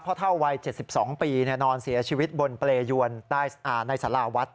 เท่าวัย๗๒ปีนอนเสียชีวิตบนเปรยวนในสาราวัด